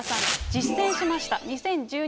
実践しました。